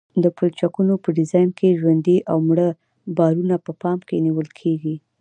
د پلچکونو په ډیزاین کې ژوندي او مړه بارونه په پام کې نیول کیږي